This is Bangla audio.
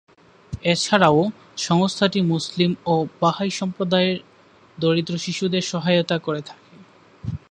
এছাড়াও, সংস্থাটি মুসলিম ও বাহাই সম্প্রদায়ের দরিদ্র শিশুদের সহায়তা করে থাকে।